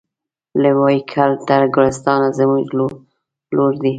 له وایګل تر ګلستانه زموږ لور دی